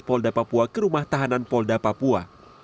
polda papua ke rumah tahanan polda papua